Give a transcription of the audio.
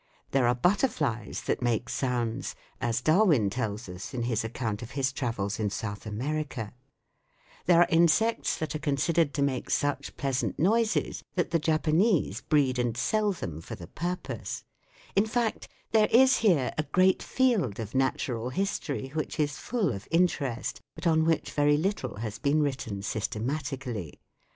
There are butterflies that make sounds, as Darwin tells us in his account of his travels in South America. There are insects that are considered to make such pleasant noises 1 Gahan, Trans. Entomological Society, London, 1900, p. 445. SOUNDS OF THE COUNTRY 107 that the Japanese breed and sell them for the pur pose. In fact, there is here a great field of natural history which is full of interest, but on which very little has been written systematically.